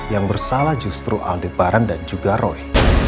yang bersalah justru aldebaran dan juga roy